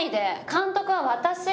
監督は私よ。